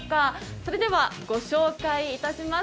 それではご紹介いたします。